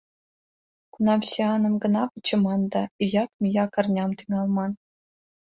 Кунам сӱаным гына вучыман да ӱяк-мӱяк арням тӱҥалман.